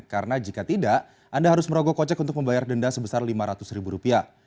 karena jika tidak anda harus merogok kocek untuk membayar denda sebesar lima ratus ribu rupiah